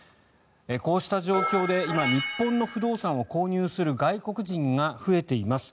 こうした状況で今、日本の不動産を購入する外国人が増えています。